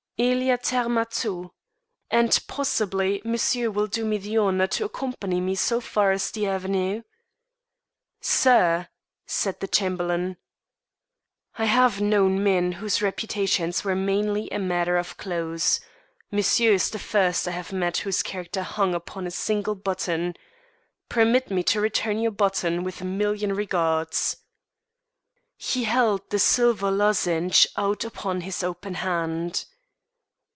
"Il y a terme à tout! And possibly monsieur will do me the honour to accompany me so far as the avenue?" "Sir!" said the Chamberlain. "I have known men whose reputations were mainly a matter of clothes. Monsieur is the first I have met whose character hung upon a single button. Permit me to return your button with a million regards." He held the silver lozenge out upon his open hand.